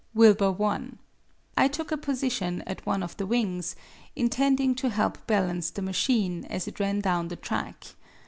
Wilbur won. I took a position at one of the wings, intending to help balance the machine as it ran down the track.